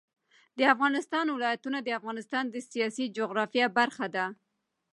د افغانستان ولايتونه د افغانستان د سیاسي جغرافیه برخه ده.